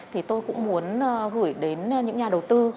thì tôi cũng muốn gửi đến những nhà đầu tư